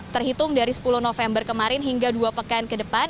terhitung dari sepuluh november kemarin hingga dua pekan ke depan